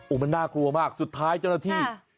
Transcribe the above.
มันน่ากลัวมากสุดท้ายเจ้าหน้าที่